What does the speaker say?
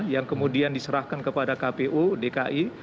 yang kemudian diserahkan kepada kpu dki